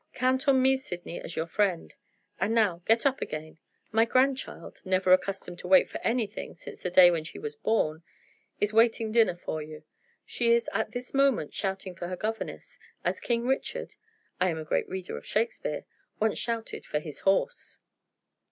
Count on me, Sydney, as your friend, and now get up again. My grandchild (never accustomed to wait for anything since the day when she was born) is waiting dinner for you. She is at this moment shouting for her governess, as King Richard (I am a great reader of Shakespeare) once shouted for his horse.